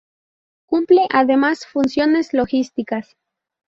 Cumple, además, funciones logísticas.